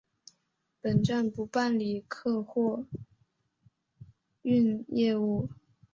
本站不办理客货运业务。